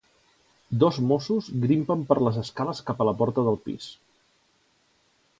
Dos Mossos grimpen per les escales cap a la porta del pis.